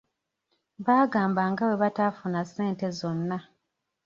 Baagamba nga bwe bataafuna ssente zonna.